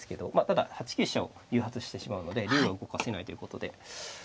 ただ８九飛車を誘発してしまうので竜は動かせないということで。